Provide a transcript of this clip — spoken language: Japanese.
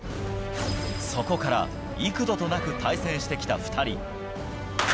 そこから幾度となく対戦してきた２人。